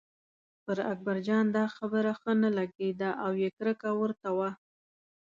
پر اکبرجان دا خبره ښه نه لګېده او یې کرکه ورته وه.